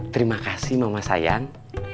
terima kasih mama sayang